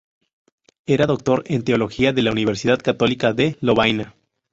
Era Doctor en Teología de la Universidad Católica de Lovaina.